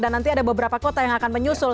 dan nanti ada beberapa kota yang akan menyusul